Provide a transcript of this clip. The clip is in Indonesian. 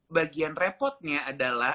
bagian repotnya adalah